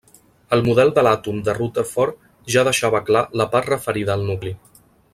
El model de l'àtom de Rutherford ja deixava clar la part referida al nucli.